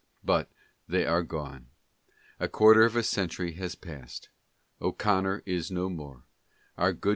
But they are gone ; a quarter of a century has passed, O'Connor is no more, our Good.